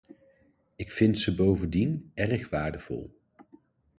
Ik vind ze bovendien erg waardevol.